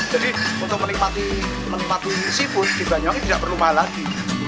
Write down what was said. jadi untuk menikmati seafood di banyuang tidak perlu malah lagi